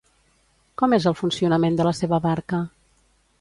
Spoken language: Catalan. Com és el funcionament de la seva barca?